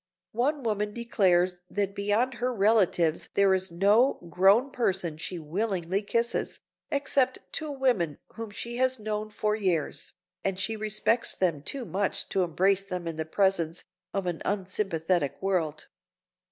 One woman declares that beyond her relatives there is no grown person she willingly kisses, except two women whom she has known for years, and she respects them too much to embrace them in the presence of an unsympathetic world.